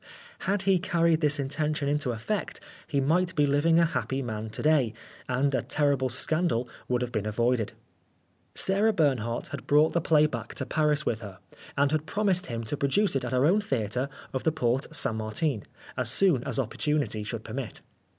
Had he carried this intention into effect, he might be living a happy man to day, and a terrible scandal would have been avoided. Sarah Bernhardt had brought the play back to Paris with her, and had promised him to produce it at her own theatre of the Porte St. Martin, as soon as opportunity should permit.